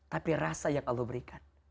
tapi rasa yang allah berikan